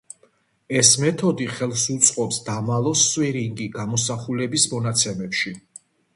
ეს მეთოდი ხელს უწყობს დამალოს სვირინგი გამოსახულების მონაცემებში.